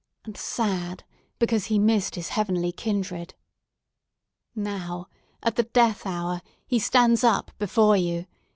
—and sad, because he missed his heavenly kindred! Now, at the death hour, he stands up before you!